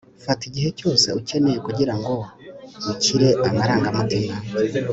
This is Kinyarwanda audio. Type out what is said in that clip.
fata igihe cyose ukeneye kugirango ukire amarangamutima